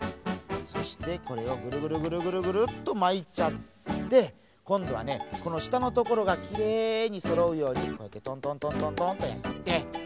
そしてこれをグルグルグルグルグルッとまいちゃってこんどはねこのしたのところがきれいにそろうようにこうやってトントントントンとやってね